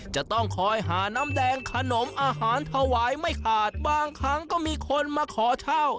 จะต้องคอยหาน้ำแดงขนมอาหารถวายไม่ขาดบางครั้งก็มีคนมาขอเช่า